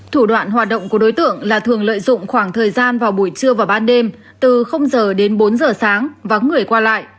thủ đoạn hoạt động của đối tượng là thường lợi dụng khoảng thời gian vào buổi trưa và ban đêm từ giờ đến bốn giờ sáng vắng người qua lại